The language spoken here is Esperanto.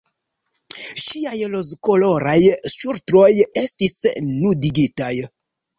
Ŝiaj rozkoloraj ŝultroj estis nudigitaj.